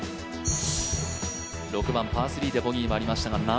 ６番パー３でボギーもありましたが、